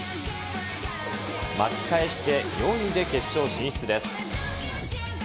巻き返して４位で決勝進出です。